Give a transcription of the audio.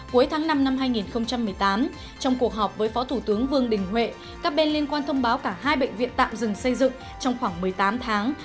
cuối tháng năm năm hai nghìn một mươi tám trong cuộc họp với phó thủ tướng vương đình huệ các bên liên quan thông báo cả hai bệnh viện tạm dừng xây dựng trong khoảng một mươi tám tháng